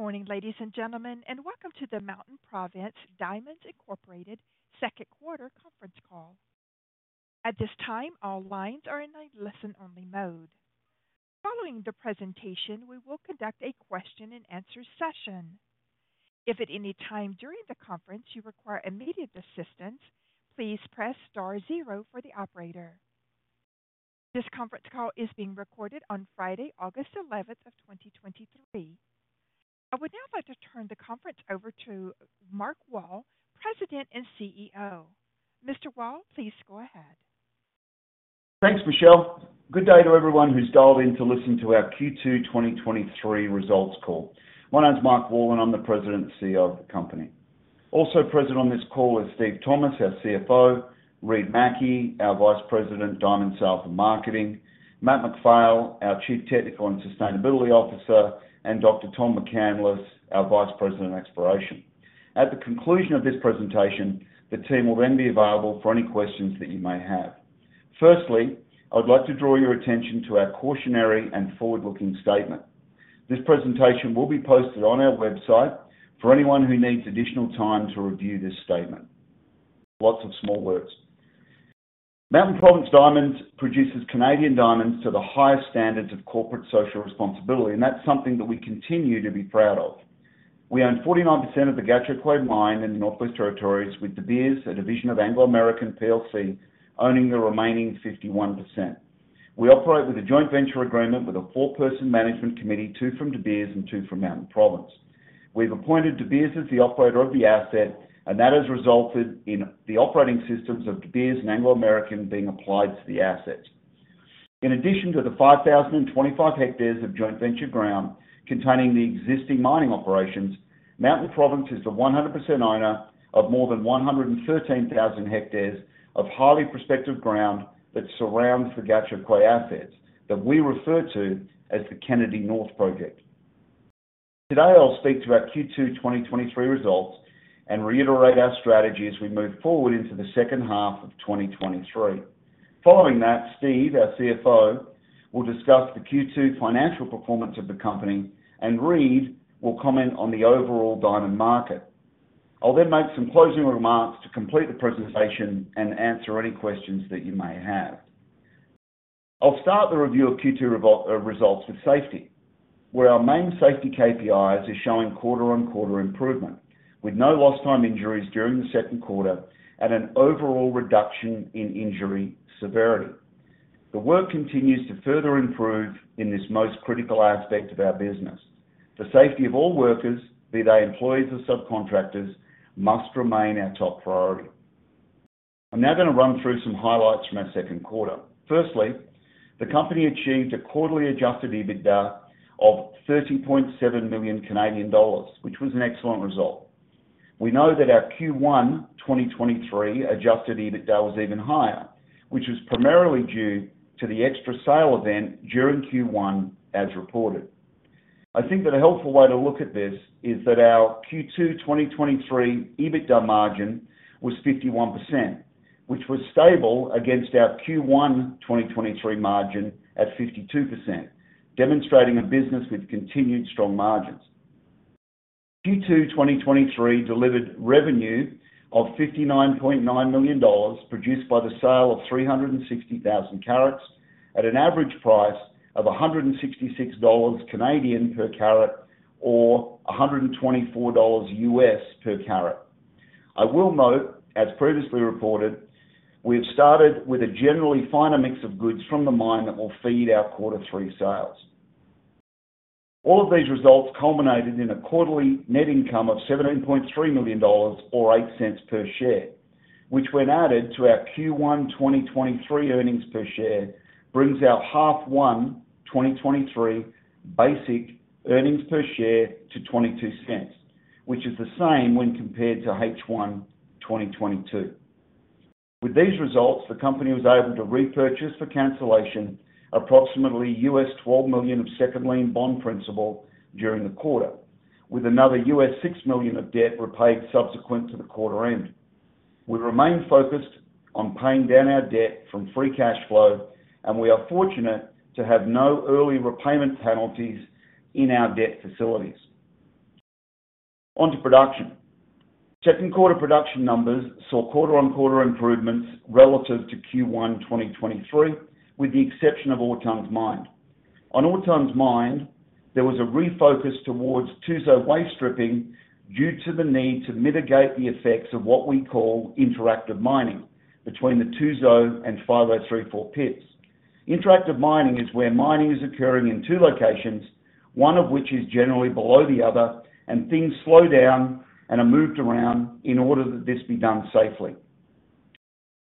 Good morning, ladies and gentlemen, and welcome to the Mountain Province Diamonds Incorporated second quarter conference call. At this time, all lines are in a listen-only mode. Following the presentation, we will conduct a question-and-answer session. If at any time during the conference you require immediate assistance, please press star zero for the operator. This conference call is being recorded on Friday, August 11th, 2023. I would now like to turn the conference over to Mark Wall, President and CEO. Mr. Wall, please go ahead. Thanks, Michelle. Good day to everyone who's dialed in to listen to our Q2 2023 results call. My name is Mark Wall, and I'm the President and CEO of the company. Also present on this call is Steve Thomas, our CFO, Reid Mackie, our Vice President, Diamond Sales and Marketing, Matt MacPhail, our Chief Technical and Sustainability Officer, and Dr. Tom McCandless, our Vice President of Exploration. At the conclusion of this presentation, the team will then be available for any questions that you may have. Firstly, I would like to draw your attention to our cautionary and forward-looking statements. This presentation will be posted on our website for anyone who needs additional time to review this statement. Lots of small words. Mountain Province Diamonds produces Canadian diamonds to the highest standards of corporate social responsibility, and that's something that we continue to be proud of. We own 49% of the Gahcho Kué Mine in the Northwest Territories, with De Beers, a division of Anglo American plc, owning the remaining 51%. We operate with a joint venture agreement with a four-person management committee, two from De Beers and two from Mountain Province. We've appointed De Beers as the operator of the asset, and that has resulted in the operating systems of De Beers and Anglo American being applied to the asset. In addition to the 5,025 hectares of joint venture ground containing the existing mining operations, Mountain Province is the 100% owner of more than 113,000 hectares of highly prospective ground that surrounds the Gahcho Kué assets that we refer to as the Kennady North Project. Today, I'll speak to our Q2 2023 results and reiterate our strategy as we move forward into the second half of 2023. Following that, Steve, our CFO, will discuss the Q2 financial performance of the company, and Reid will comment on the overall diamond market. I'll make some closing remarks to complete the presentation and answer any questions that you may have. I'll start the review of Q2 results with safety, where our main safety KPIs are showing quarter-on-quarter improvement, with no lost time injuries during the second quarter and an overall reduction in injury severity. The work continues to further improve in this most critical aspect of our business. The safety of all workers, be they employees or subcontractors, must remain our top priority. I'm now going to run through some highlights from our second quarter. Firstly, the company achieved a quarterly Adjusted EBITDA of 30.7 million Canadian dollars, which was an excellent result. We know that our Q1 2023 Adjusted EBITDA was even higher, which was primarily due to the extra sale event during Q1, as reported. I think that a helpful way to look at this is that our Q2 2023 EBITDA margin was 51%, which was stable against our Q1 2023 margin at 52%, demonstrating a business with continued strong margins. Q2 2023 delivered revenue of 59.9 million dollars, produced by the sale of 360,000 carats at an average price of 166 Canadian dollars per carat, or $124 U.S. per carat. I will note, as previously reported, we've started with a generally finer mix of goods from the mine that will feed our Q3 sales. All of these results culminated in a quarterly net income of $17.3 million, or $0.08 per share, which, when added to our Q1 2023 earnings per share, brings our H1 2023 basic earnings per share to $0.22, which is the same when compared to H1 2022. With these results, the company was able to repurchase for cancellation approximately $12 million of second lien notes principal during the quarter, with another $6 million of debt repaid subsequent to the quarter end. We remain focused on paying down our debt from free cash flow, and we are fortunate to have no early repayment penalties in our debt facilities. Onto production. Second quarter production numbers saw quarter-on-quarter improvements relative to Q1 2023, with the exception of ore tonnes mined. On ore tonnes mined, there was a refocus towards Tuzo waste stripping due to the need to mitigate the effects of what we call interactive mining between the Tuzo and 5034 pits. Interactive mining is where mining is occurring in two locations, one of which is generally below the other, and things slow down and are moved around in order that this be done safely.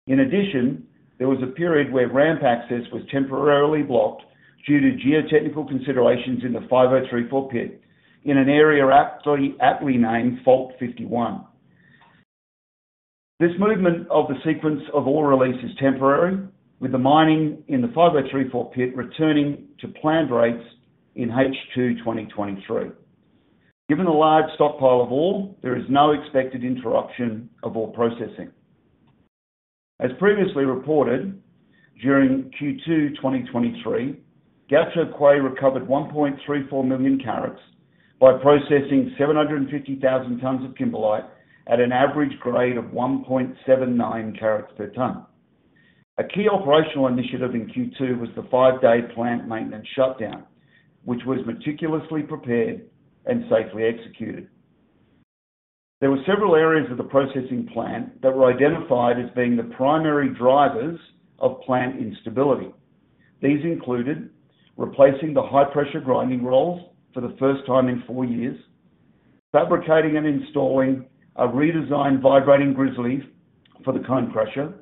In addition, there was a period where ramp access was temporarily blocked due to geotechnical considerations in the 5034 pit, in an area aptly, aptly named Fault 51. This movement of the sequence of ore release is temporary, with the mining in the 5034 pit returning to planned rates in H2 2023. Given the large stockpile of ore, there is no expected interruption of ore processing. As previously reported, during Q2 2023, Gahcho Kué recovered 1.34 million carats by processing 750,000 tonnes of kimberlite at an average grade of 1.79 carats per tonne. A key operational initiative in Q2 was the five-day plant maintenance shutdown, which was meticulously prepared and safely executed. There were several areas of the processing plant that were identified as being the primary drivers of plant instability. These included replacing the High-Pressure Grinding Rolls for the first time in four years, fabricating and installing a redesigned vibrating grizzly for the cone crusher,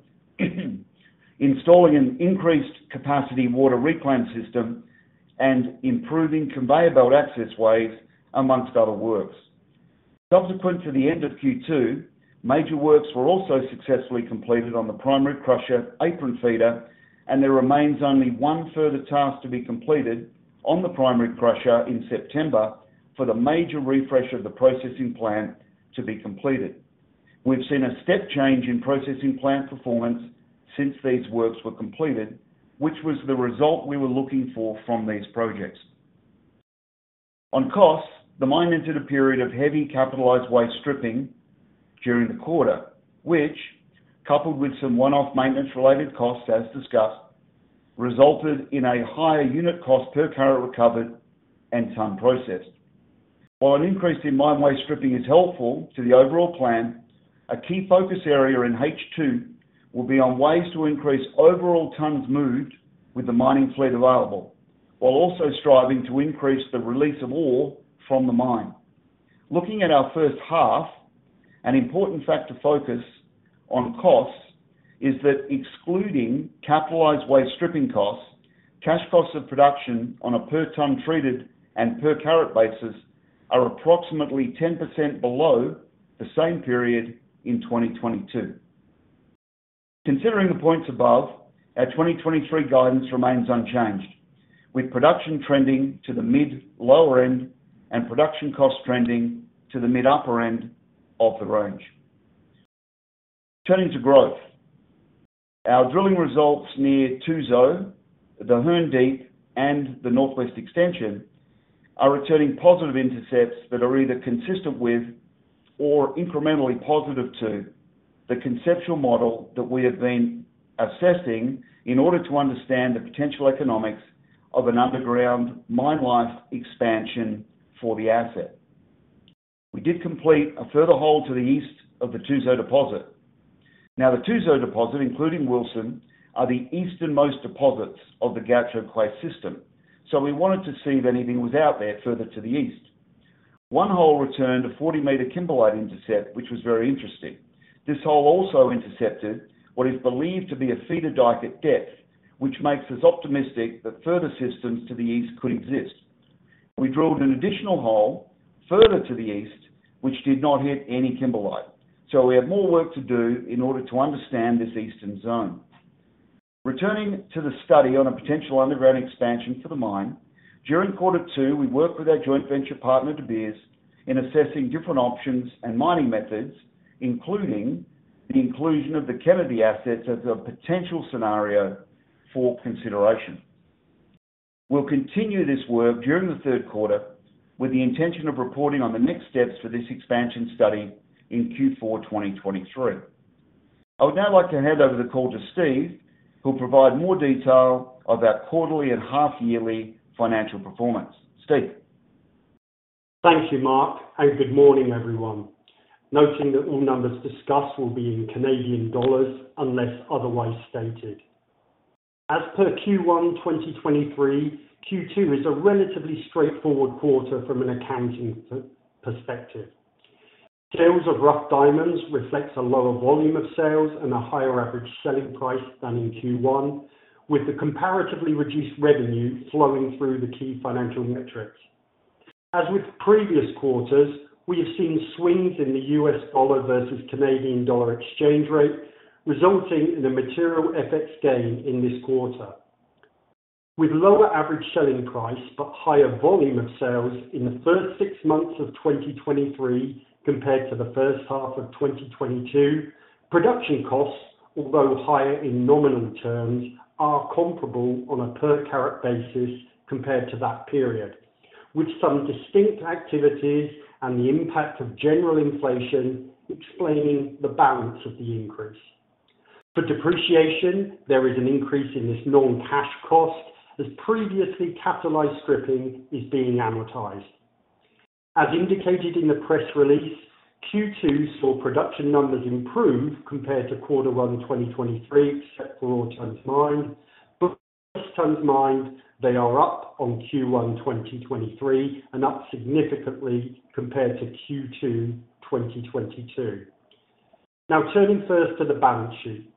installing an increased capacity water reclaim system, and improving conveyor belt access ways, amongst other works. Subsequent to the end of Q2, major works were also successfully completed on the primary crusher apron feeder, and there remains only one further task to be completed on the primary crusher in September for the major refresh of the processing plant to be completed. We've seen a step change in processing plant performance since these works were completed, which was the result we were looking for from these projects. On costs, the mine entered a period of heavy capitalized waste stripping during the quarter, which, coupled with some one-off maintenance-related costs, as discussed, resulted in a higher unit cost per carat recovered and tonne processed. While an increase in mine waste stripping is helpful to the overall plan, a key focus area in H2 will be on ways to increase overall tons moved with the mining fleet available, while also striving to increase the release of ore from the mine. Looking at our first half, an important fact to focus on costs is that, excluding capitalized waste stripping costs, cash costs of production on a per ton treated and per carat basis are approximately 10% below the same period in 2022. Considering the points above, our 2023 guidance remains unchanged, with production trending to the mid-lower end and production cost trending to the mid-upper end of the range. Turning to growth. Our drilling results near Tuzo, the Hearne Deep, and the Northwest Extension are returning positive intercepts that are either consistent with or incrementally positive to the conceptual model that we have been assessing in order to understand the potential economics of an underground mine life expansion for the asset. We did complete a further hole to the east of the Tuzo deposit. Now, the Tuzo deposit, including Wilson, is the easternmost deposit of the Gahcho Kué system, so we wanted to see if anything was out there further to the east. One hole returned a 40-meter kimberlite intercept, which was very interesting. This hole also intercepted what is believed to be a feeder dike at depth, which makes us optimistic that further systems to the east could exist. We drilled an additional hole further to the east, which did not hit any kimberlite, so we have more work to do in order to understand this eastern zone. Returning to the study on a potential underground expansion for the mine, during quarter two, we worked with our joint venture partner, De Beers, in assessing different options and mining methods, including the inclusion of the Kennady assets as a potential scenario for consideration. We'll continue this work during the third quarter with the intention of reporting on the next steps for this expansion study in Q4 2023. I would now like to hand over the call to Steve, who'll provide more details of our quarterly and half-yearly financial performance. Steve? Thank you, Mark. Good morning, everyone. Noting that all numbers discussed will be in Canadian dollars, unless otherwise stated. As per Q1 2023, Q2 is a relatively straightforward quarter from an accounting perspective. Sales of rough diamonds reflect a lower volume of sales and a higher average selling price than in Q1, with the comparatively reduced revenue flowing through the key financial metrics. As with previous quarters, we have seen swings in the U.S. dollar versus the Canadian dollar exchange rate, resulting in a material FX gain in this quarter. With a lower average selling price but higher volume of sales in the first six months of 2023 compared to the first half of 2022, production costs, although higher in nominal terms, are comparable on a per carat basis compared to that period, with some distinct activities and the impact of general inflation explaining the balance of the increase. For depreciation, there is an increase in this non-cash cost, as previously capitalized stripping is being amortized. As indicated in the press release, Q2 saw production numbers improve compared to Quarter One 2023, except for all tonnes mined. Tonnes mined, they are up on Q1 2023, and up significantly compared to Q2 2022. Turning first to the balance sheet.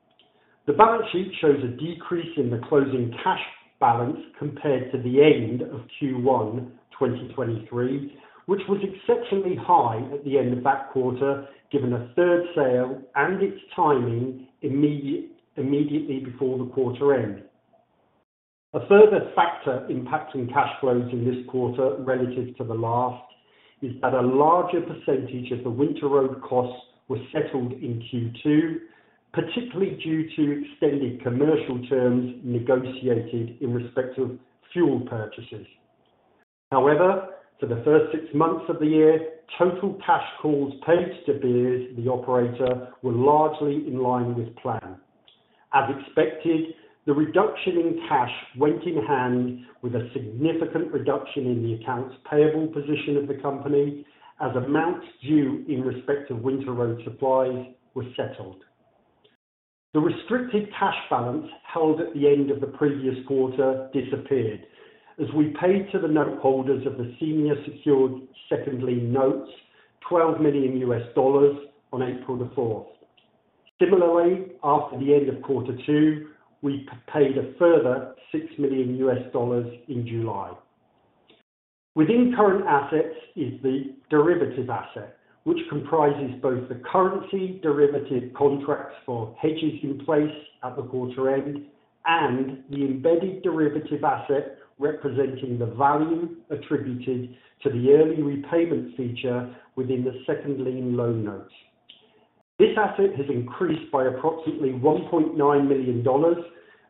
The balance sheet shows a decrease in the closing cash balance compared to the end of Q1 2023, which was exceptionally high at the end of that quarter, given a third sale and its timing immediately before the quarter end. A further factor impacting cash flows in this quarter relative to the last, is that a larger percentage of the winter road costs were settled in Q2, particularly due to extended commercial terms negotiated in respect of fuel purchases. However, for the first six months of the year, total cash calls paid to De Beers, the operator, were largely in line with plan. As expected, the reduction in cash went in hand with a significant reduction in the accounts payable position of the company, as amounts due in respect of winter road supplies were settled. The restricted cash balance held at the end of the previous quarter disappeared, as we paid to the note holders of the Senior Secured Second Lien Notes $12 million on April 4. Similarly, after the end of Q2, we paid a further $6 million in July. Within current assets is the derivative asset, which comprises both the currency derivative contracts for hedges in place at the quarter end and the embedded derivative asset, representing the value attributed to the early repayment feature within the Second Lien Loan Notes. This asset has increased by approximately $1.9 million,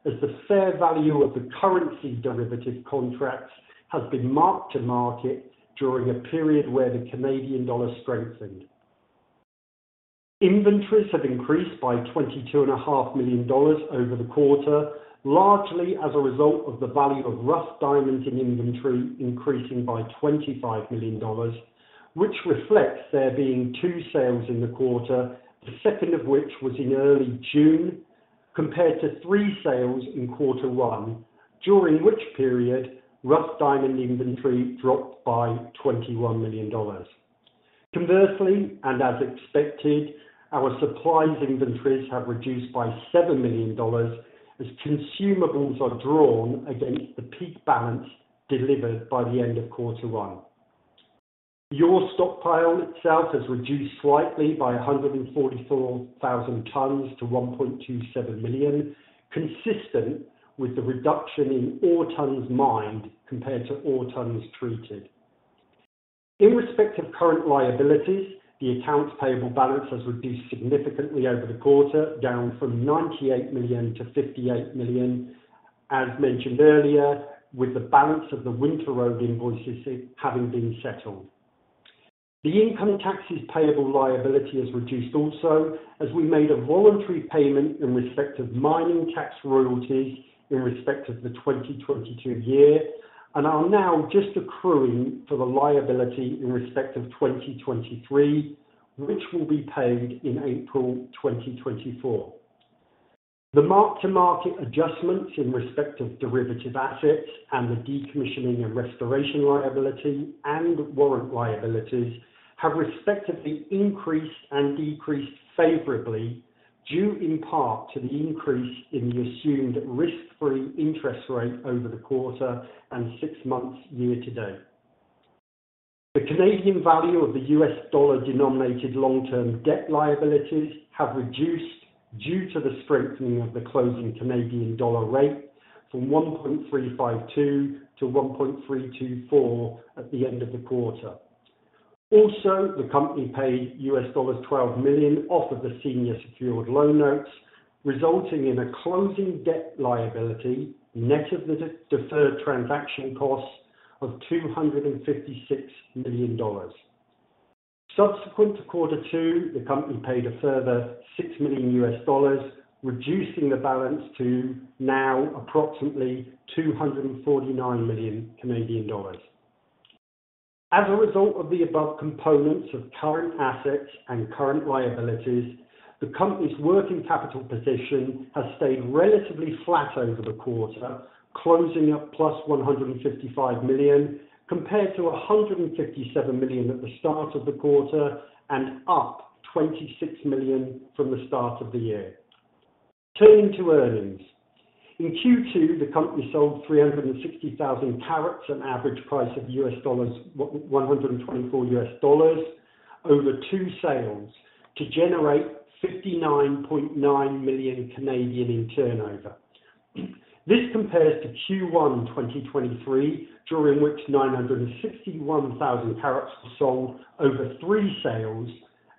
as the fair value of the currency derivative contracts has been marked to market during a period where the Canadian dollar strengthened. Inventories have increased by 22.5 million dollars over the quarter, largely as a result of the value of rough diamonds in inventory increasing by 25 million dollars, which reflects there being two sales in the quarter, the second of which was in early June, compared to three sales in Q1, during which period, rough diamond inventory dropped by 21 million dollars. Conversely, and as expected, our supplies inventories have reduced by 7 million dollars, as consumables are drawn against the peak balance delivered by the end of Q1. Your stockpile itself has reduced slightly by 144,000 tons to 1.27 million, consistent with the reduction in ore tons mined compared to ore tons treated. In respect of current liabilities, the accounts payable balance has reduced significantly over the quarter, down from 98 million to 58 million, as mentioned earlier, with the balance of the winter road invoices having been settled. The income taxes payable liability has also reduced, as we made a voluntary payment in respect of mining tax royalties in respect of the 2022 year, and are now just accruing for the liability in respect of 2023, which will be paid in April 2024. The mark-to-market adjustments in respect of derivative assets and the decommissioning and restoration liability and warrant liabilities have respectively increased and decreased favorably, due in part to the increase in the assumed risk-free interest rate over the quarter and six months year-to-date. The Canadian value of the U.S. dollar-denominated long-term debt liabilities has reduced due to the strengthening of the closing Canadian dollar rate from 1.352 to 1.324 at the end of the quarter. Also, the company paid $12 million off the Senior Secured Loan Notes, resulting in a closing debt liability net of the deferred transaction costs of $256 million. Subsequent to Q2, the company paid a further $6 million, reducing the balance to approximately 249 million Canadian dollars. As a result of the above components of current assets and current liabilities, the company's working capital position has stayed relatively flat over the quarter, closing at plus 155 million, compared to 157 million at the start of the quarter, and up 26 million from the start of the year. Turning to earnings. In Q2, the company sold 360,000 carats, at an average price of $124, over two sales to generate 59.9 million in turnover. This compares to Q1 2023, during which 961,000 carats were sold over three sales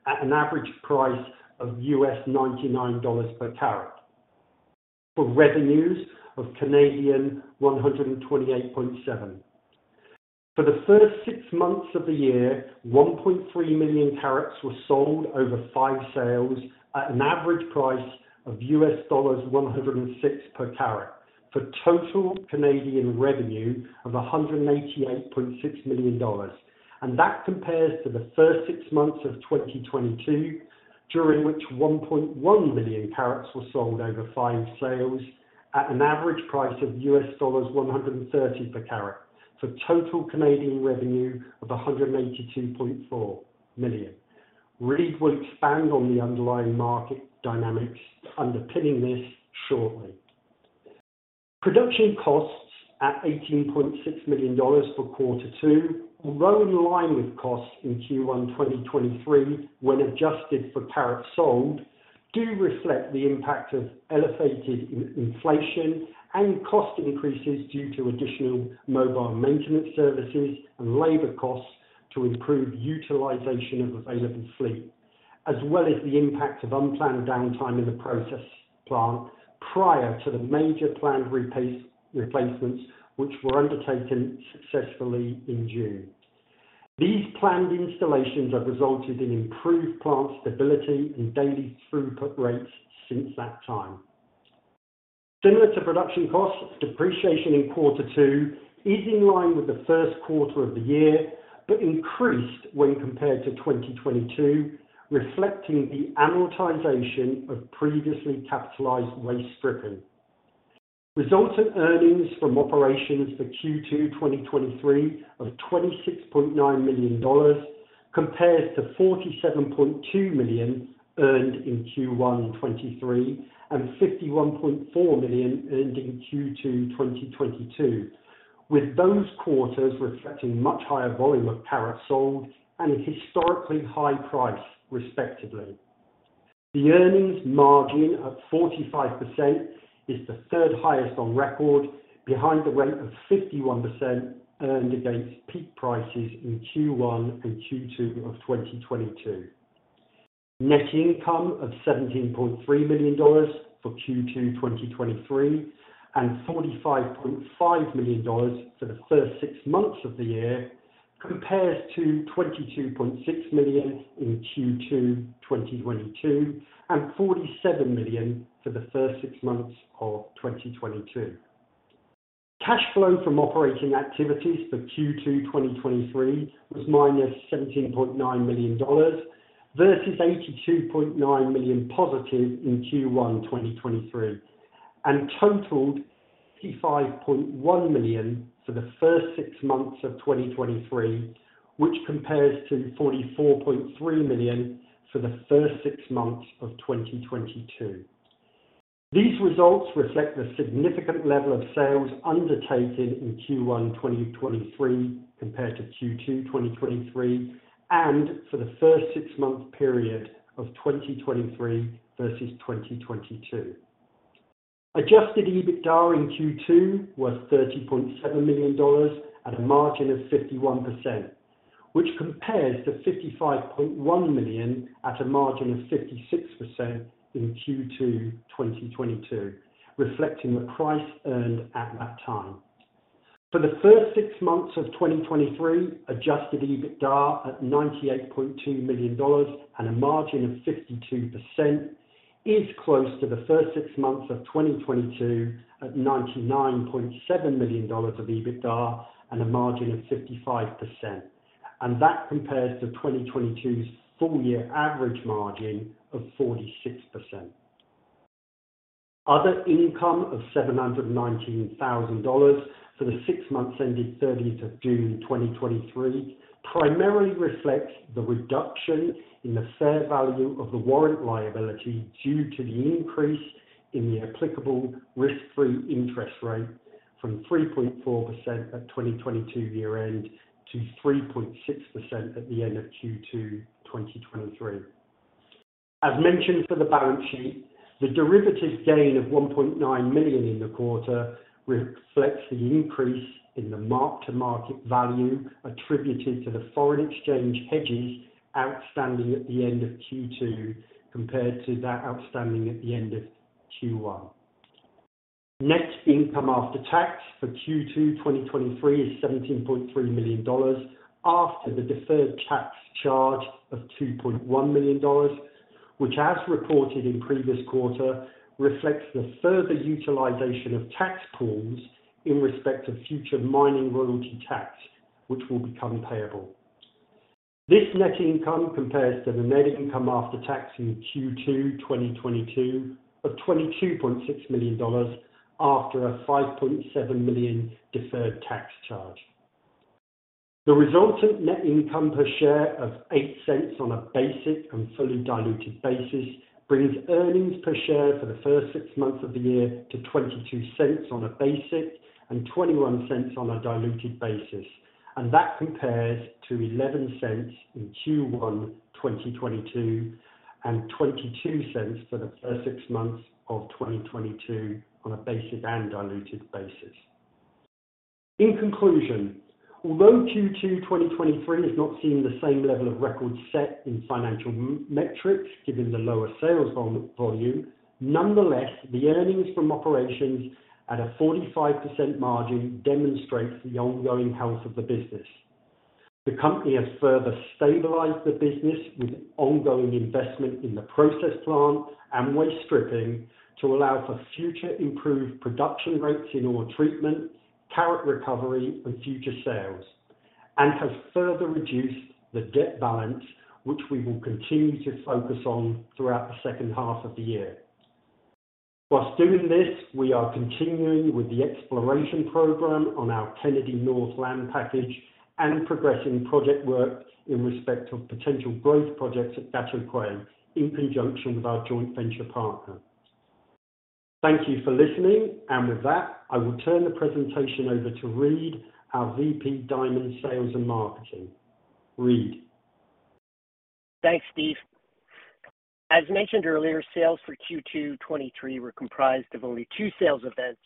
at an average price of $99 per carat, for revenues of 128.7 million. For the first six months of the year, 1.3 million carats were sold over five sales at an average price of $106 per carat, for total CAD revenue of 188.6 million. That compares to the first six months of 2022, during which 1.1 million carats were sold over five sales at an average price of $130 per carat, for total CAD revenue of 182.4 million. Reid will expand on the underlying market dynamics underpinning this shortly. Production costs at 18.6 million dollars for Q2, although in line with costs in Q1 2023, when adjusted for carats sold, do reflect the impact of elevated inflation and cost increases due to additional mobile maintenance services and labor costs to improve utilization of available fleet, as well as the impact of unplanned downtime in the process plant prior to the major planned replacements, which were undertaken successfully in June. These planned installations have resulted in improved plant stability and daily throughput rates since that time. Similar to production costs, depreciation in Q2 is in line with Q1 of the year, but increased when compared to 2022, reflecting the amortization of previously capitalized waste stripping. Results and earnings from operations for Q2 2023 of 26.9 million dollars compare to 47.2 million earned in Q1 2023, and 51.4 million earned in Q2 2022, with those quarters reflecting much higher volume of carats sold and a historically high price, respectively. The earnings margin of 45% is the third highest on record, behind the rate of 51% earned against peak prices in Q1 and Q2 of 2022. Net income of CAD 17.3 million for Q2 2023, and CAD 45.5 million for the first six months of the year, compares to CAD 22.6 million in Q2 2022, and CAD 47 million for the first six months of 2022. Cash flow from operating activities for Q2 2023 was -$17.9 million versus $82.9 million positive in Q1 2023, and totaled $55.1 million for the first six months of 2023, which compares to $44.3 million for the first six months of 2022. These results reflect the significant level of sales undertaken in Q1 2023 compared to Q2 2023, and for the first six-month period of 2023 versus 2022. Adjusted EBITDA in Q2 was $30.7 million at a margin of 51%, which compares to $55.1 million at a margin of 56% in Q2 2022, reflecting the price earned at that time. For the first six months of 2023, Adjusted EBITDA at 98.2 million dollars and a margin of 52%, is close to the first six months of 2022 at 99.7 million dollars of Adjusted EBITDA and a margin of 55%. That compares to 2022's full-year average margin of 46%. Other income of 719,000 dollars for the six months ending 30th of June 2023, primarily reflects the reduction in the fair value of the warrant liability due to the increase in the applicable risk-free interest rate from 3.4% at the 2022 year-end to 3.6% at the end of Q2 2023. As mentioned for the balance sheet, the derivative gain of 1.9 million in the quarter reflects the increase in the mark-to-market value attributed to the foreign exchange hedges outstanding at the end of Q2 compared to that outstanding at the end of Q1. Net income after tax for Q2 2023 is 17.3 million dollars, after the deferred tax charge of 2.1 million dollars, which, as reported in the previous quarter, reflects the further utilization of tax pools in respect of future mining royalty tax, which will become payable. This net income compares to the net income after tax in Q2 2022 of 22.6 million dollars, after a 5.7 million deferred tax charge. The resultant net income per share of 0.08 on a basic and fully diluted basis brings earnings per share for the first six months of the year to 0.22 on a basic and 0.21 on a diluted basis. That compares to 0.11 in Q1 2022, and 0.22 for the first six months of 2022 on a basic and diluted basis. In conclusion, although Q2 2023 has not seen the same level of records set in financial metrics, given the lower sales volume, the earnings from operations at a 45% margin demonstrate the ongoing health of the business. The company has further stabilized the business with ongoing investment in the process plant and waste stripping to allow for future improved production rates in ore treatment, carat recovery, and future sales, and has further reduced the debt balance, which we will continue to focus on throughout the second half of the year. While doing this, we are continuing with the exploration program on our Kennady North land package and progressing project work in respect of potential growth projects at Gahcho Kué, in conjunction with our joint venture partner. Thank you for listening. With that, I will turn the presentation over to Reid, our VP, Diamond Sales and Marketing. Reid? Thanks, Steve. As mentioned earlier, sales for Q2 2023 were comprised of only two sales events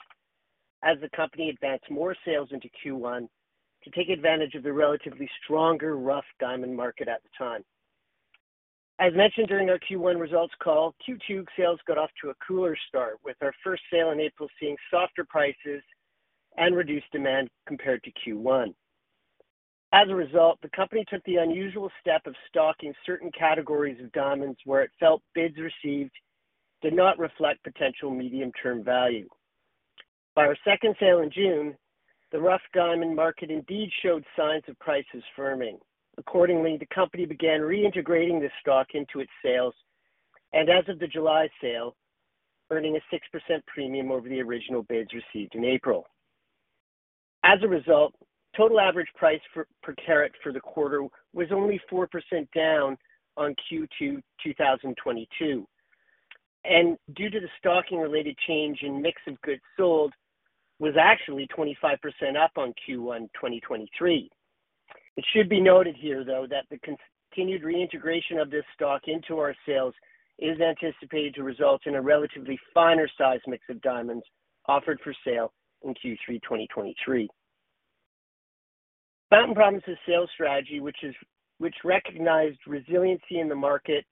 as the company advanced more sales into Q1 to take advantage of the relatively stronger rough diamond market at the time. As mentioned during our Q1 results call, Q2 sales got off to a cooler start, with our first sale in April, seeing softer prices and reduced demand compared to Q1. As a result, the company took the unusual step of stocking certain categories of diamonds where it felt bids received did not reflect potential medium-term value. By our second sale in June, the rough diamond market indeed showed signs of prices firming. Accordingly, the company began reintegrating this stock into its sales, and as of the July sale, earning a 6% premium over the original bids received in April. As a result, total average price per carat for the quarter was only 4% down on Q2 2022, due to the stocking-related change in mix of goods sold, was actually 25% up on Q1 2023. It should be noted here, though, that the continued reintegration of this stock into our sales is anticipated to result in a relatively finer size mix of diamonds offered for sale in Q3 2023. Mountain Province's sales strategy, which recognized resiliency in the market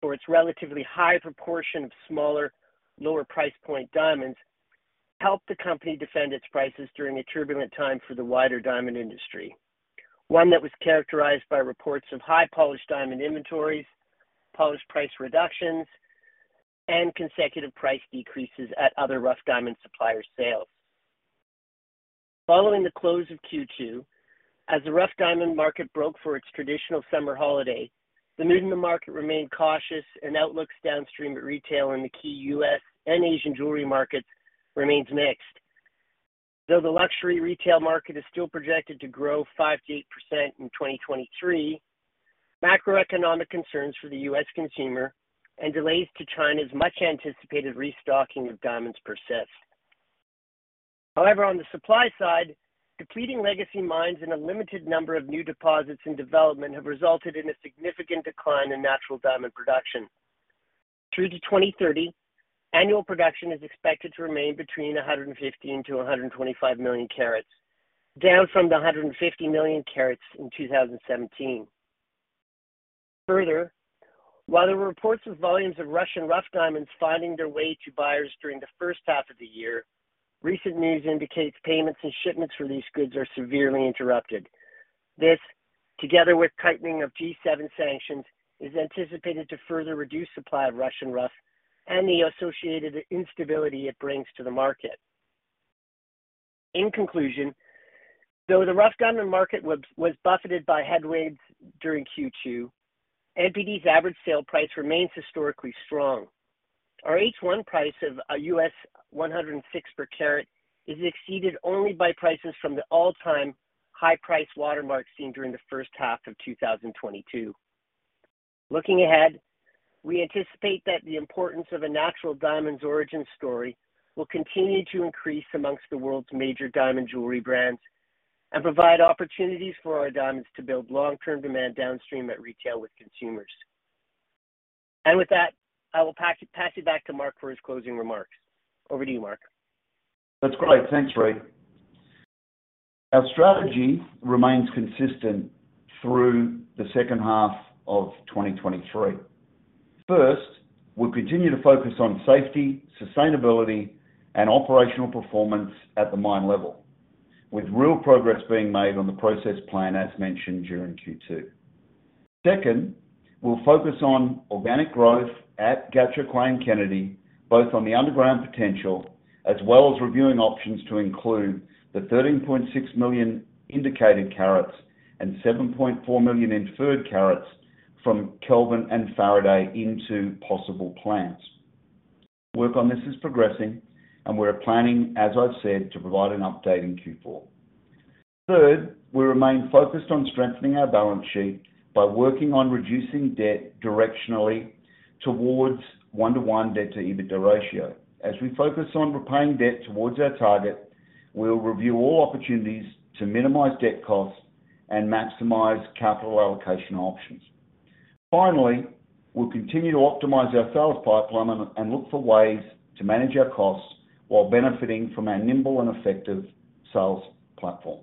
for its relatively high proportion of smaller, lower price point diamonds, helped the company defend its prices during a turbulent time for the wider diamond industry. One that was characterized by reports of high polished diamond inventories, polished price reductions, and consecutive price decreases at other rough diamond supplier sales. Following the close of Q2, as the rough diamond market broke for its traditional summer holiday, the mood in the market remained cautious, and outlooks downstream at retail in the key U.S. and Asian jewelry markets remain mixed. Though the luxury retail market is still projected to grow 5%-8% in 2023, macroeconomic concerns for the U.S. consumer and delays to China's much-anticipated restocking of diamonds persist. However, on the supply side, depleting legacy mines and a limited number of new deposits in development have resulted in a significant decline in natural diamond production. Through to 2030, annual production is expected to remain between 150 million-125 million carats, down from the 150 million carats in 2017. Further, while there were reports of volumes of Russian rough diamonds finding their way to buyers during the first half of the year, recent news indicates that payments and shipments for these goods are severely interrupted. This, together with the tightening of G7 sanctions, is anticipated to further reduce the supply of Russian rough and the associated instability it brings to the market. In conclusion, though the rough diamond market was buffeted by headwinds during Q2, MPD's average sale price remains historically strong. Our H1 price of $106 per carat is exceeded only by prices from the all-time high price watermark seen during the first half of 2022. Looking ahead, we anticipate that the importance of a natural diamond's origin story will continue to increase amongst the world's major diamond jewelry brands, and provide opportunities for our diamonds to build long-term demand downstream at retail with consumers. With that, I will pass, pass it back to Mark for his closing remarks. Over to you, Mark. That's great. Thanks, Reid. Our strategy remains consistent through the second half of 2023. First, we'll continue to focus on safety, sustainability, and operational performance at the mine level, with real progress being made on the process plan, as mentioned during Q2. Second, we'll focus on organic growth at Gahcho Kué Kennady North, both on the underground potential, as well as reviewing options to include the 13.6 million indicated carats and 7.4 million inferred carats from Kelvin and Faraday into possible plants. Work on this is progressing, and we're planning, as I've said, to provide an update in Q4. Third, we remain focused on strengthening our balance sheet by working on reducing debt directionally towards a one-to-one debt to EBITDA ratio. As we focus on repaying debt towards our target, we'll review all opportunities to minimize debt costs and maximize capital allocation options. Finally, we'll continue to optimize our sales pipeline and look for ways to manage our costs while benefiting from our nimble and effective sales platform.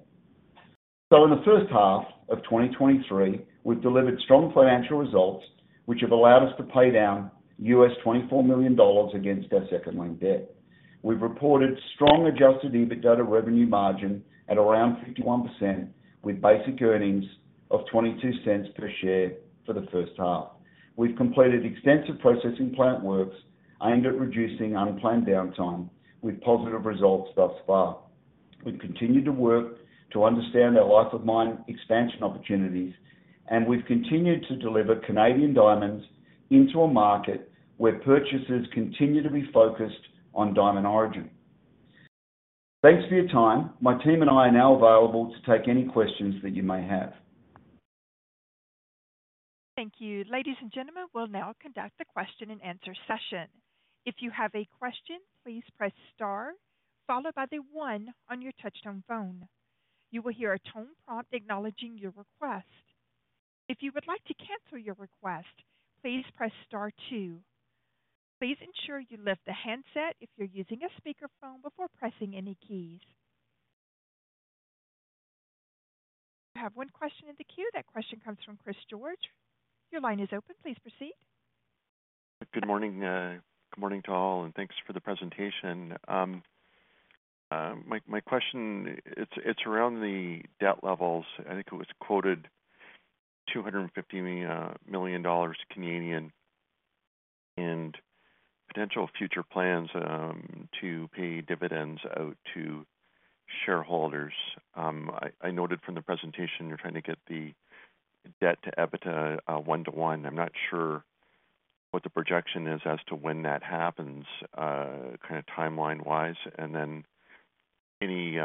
In the first half of 2023, we delivered strong financial results, which have allowed us to pay down $24 million against our second lien debt. We've reported strong Adjusted EBITDA revenue margin at around 51%, with basic earnings of 0.22 per share for the first half. We've completed extensive processing plant works aimed at reducing unplanned downtime with positive results thus far. We've continued to work to understand our life of mine expansion opportunities, and we've continued to deliver Canadian diamonds into a market where purchasers continue to be focused on diamond origin. Thanks for your time. My team and I are now available to take any questions that you may have. Thank you. Ladies and gentlemen, we'll now conduct the question-and-answer session. If you have a question, please press star followed by the one on your touchtone phone. You will hear a tone prompt acknowledging your request. If you would like to cancel your request, please press star two. Please ensure you lift the handset if you're using a speakerphone before pressing any keys. I have one question in the queue. That question comes from Chris George. Your line is open. Please proceed. Good morning. Good morning to all, and thanks for the presentation. My question is around the debt levels. I think it was quoted at 250 million Canadian dollars, and potential future plans to pay dividends out to shareholders. I noted from the presentation you're trying to get the debt to EBITDA, 1 to 1. I'm not sure what the projection is as to when that happens, kind of timeline-wise, and then any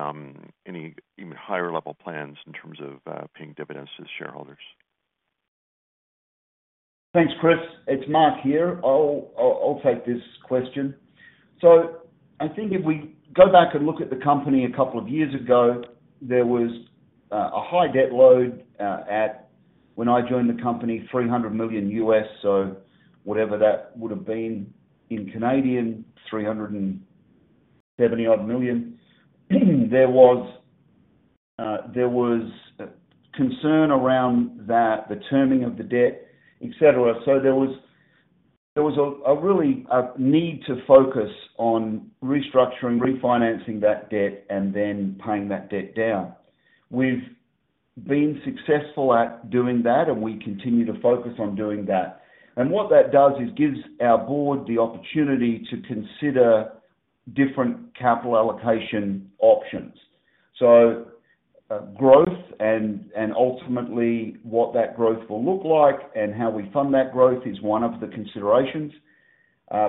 higher-level plans in terms of paying dividends to shareholders? Thanks, Chris. It's Mark here. I'll, I'll, I'll take this question. I think if we go back and look at the company a couple of years ago, there was a high debt load when I joined the company, $300 million U.S.. Whatever that would have been in that 370 odd million. There was, there was concern around that, the terming of the debt, et cetera. There was, there was a, a really, a need to focus on restructuring, refinancing that debt, and then paying that debt down. We've been successful at doing that, and we continue to focus on doing that. What that does is gives our board the opportunity to consider different capital allocation options. Growth and, and ultimately what that growth will look like and how we fund that growth is one of the considerations.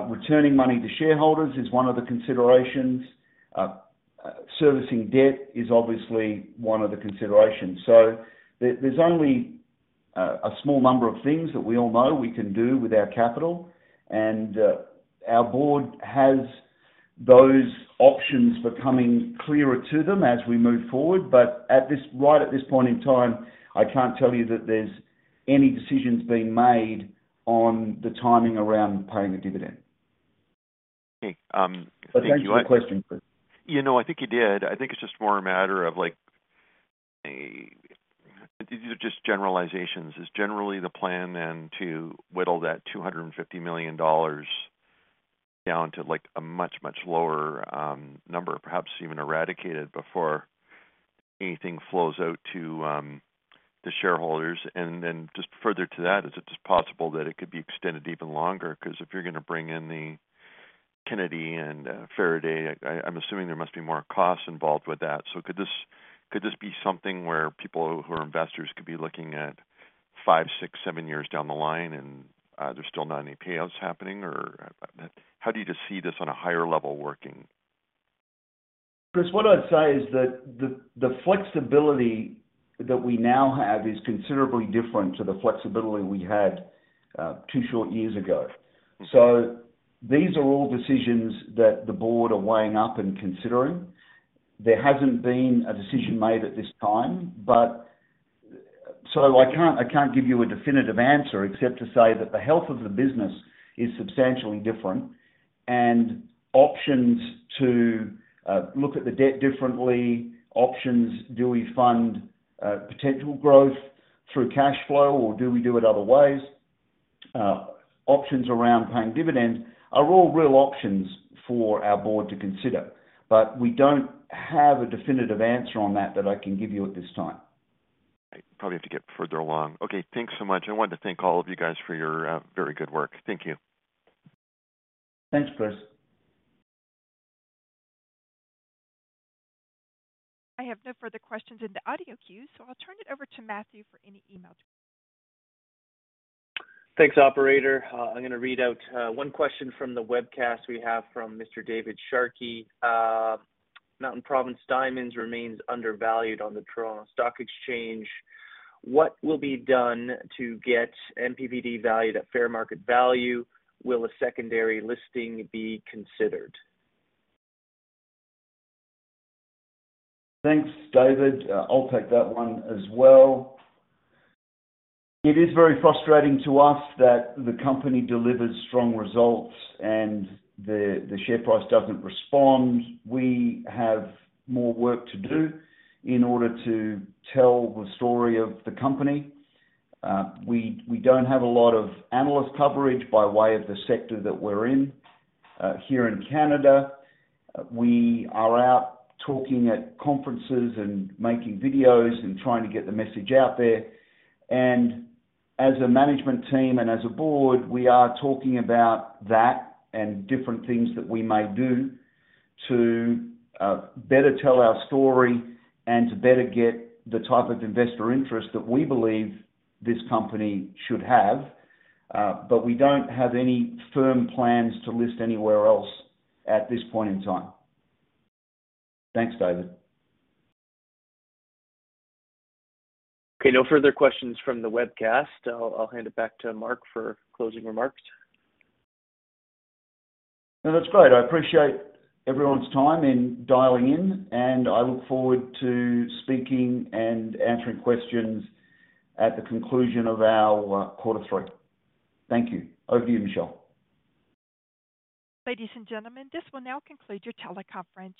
Returning money to shareholders is one of the considerations. Servicing debt is obviously one of the considerations. There, there's only a small number of things that we all know we can do with our capital, and our board has those options becoming clearer to them as we move forward. At this point in time, I can't tell you that there's any decisions being made on the timing around paying the dividend. Okay. Thanks for the question, Chris. You know, I think you did. I think it's just more of a matter of like, these are just generalizations. Is generally the plan then to whittle that $250 million down to, like, a much, much lower number, perhaps even eradicate it before anything flows out to the shareholders? Further to that, is it just possible that it could be extended even longer? Because if you're gonna bring in the Kennady and Faraday, I'm assuming there must be more costs involved with that. Could this, could this be something where people who are investors could be looking at five, six, seven years down the line, and there's still not any payouts happening? Or how do you just see this on a higher level working? Chris, what I'd say is that the, the flexibility that we now have is considerably different to the flexibility we had two short years ago. These are all decisions that the board are weighing up and considering. There hasn't been a decision made at this time. I can't, I can't give you a definitive answer except to say that the health of the business is substantially different, and options to look at the debt differently, options, do we fund potential growth through cash flow, or do we do it other ways. Options around paying dividends are all real options for our board to consider, but we don't have a definitive answer on that, that I can give you at this time. I probably have to get further along. Okay, thanks so much. I want to thank all of you guys for your very good work. Thank you. Thanks, Chris. I have no further questions in the audio queue, so I'll turn it over to Matthew for any emails. Thanks, operator. I'm gonna read out one question from the webcast we have with Mr. David Sharkey. Mountain Province Diamonds remains undervalued on the Toronto Stock Exchange. What will be done to get MPVD valued at fair market value? Will a secondary listing be considered? Thanks, David. I'll take that one as well. It is very frustrating to us that the company delivers strong results, and the share price doesn't respond. We have more work to do in order to tell the story of the company. We, we don't have a lot of analyst coverage by way of the sector that we're in, here in Canada. We are out talking at conferences and making videos, and trying to get the message out there. As a management team and as a board, we are talking about that and different things that we may do to better tell our story and to better get the type of investor interest that we believe this company should have. We don't have any firm plans to list anywhere else at this point in time. Thanks, David. Okay, no further questions from the webcast. I'll hand it back to Mark for closing remarks. No, that's great. I appreciate everyone's time in dialing in, and I look forward to speaking and answering questions at the conclusion of our quarter three. Thank you. Over to you, Michelle. Ladies and gentlemen, this will now conclude your teleconference.